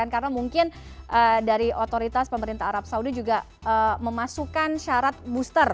karena mungkin dari otoritas pemerintah arab saudi juga memasukkan syarat booster